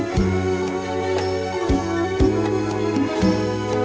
สู้ค่ะ